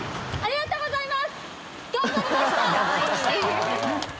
ありがとうございます。